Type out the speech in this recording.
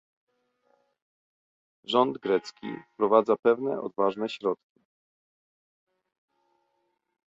Rząd grecki wprowadza pewne odważne środki